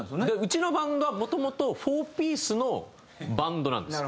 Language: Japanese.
うちのバンドはもともと４ピースのバンドなんですよ。